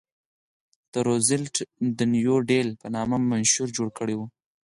روزولټ د نیو ډیل په نامه منشور جوړ کړی و.